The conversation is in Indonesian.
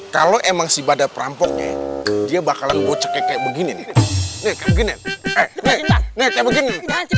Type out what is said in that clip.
kalau emang si badar perampoknya dia bakalan gocek kayak begini nih kayak begini nih kayak begini nih